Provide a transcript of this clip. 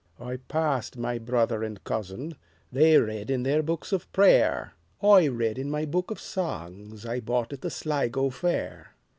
I passed my brother and cousin:They read in their books of prayer;I read in my book of songsI bought at the Sligo fair.